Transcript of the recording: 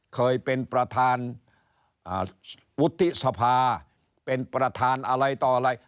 เคยเป็นประธานวุฒิสภาเป็นประธานอะไรต่ออะไร